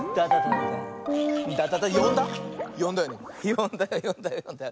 よんだよよんだよよんだよ。